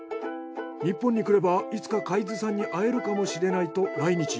日本に来ればいつか海津さんに会えるかもしれないと来日。